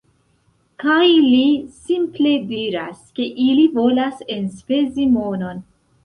- Kaj li simple diras, ke ili volas enspezi monon